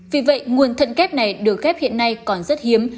vì vậy nguồn thận kép này được ghép hiện nay còn rất hiếm